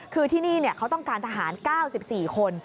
คือที่นี่เขาต้องการทหาร๙๔คน